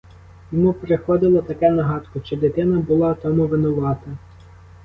Йому приходило таке на гадку: чи дитина була тому винувата?